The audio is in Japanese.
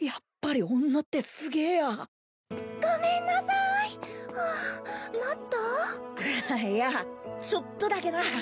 いやちょっとだけな。